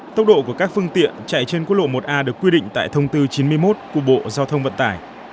tốc độ của các phương tiện chạy trên quốc lộ một a được quy định tại thông tư chín mươi một của bộ giao thông vận tải